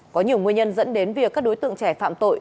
có nhiều nguyên nhân dẫn đến việc các đối tượng trẻ phạm tội